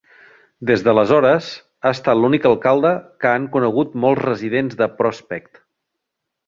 Des d'aleshores, ha estat l'únic alcalde que han conegut molts residents de Prospect.